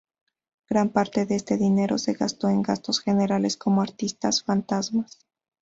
Gran parte de este dinero se gastó en gastos generales como artistas fantasmas.